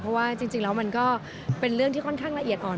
เพราะว่าจริงแล้วมันก็เป็นเรื่องที่ค่อนข้างละเอียดอ่อน